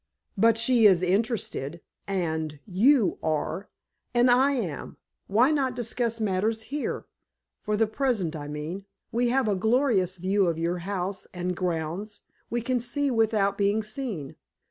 "But she is interested. And you are. And I am. Why not discuss matters here, for the present, I mean? We have a glorious view of your house and grounds. We can see without being seen.